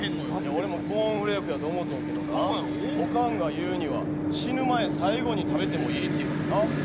俺もコーンフレークやと思ったんやけどな、おかんが言うには死ぬ前最後に食べてもええと言うねんな。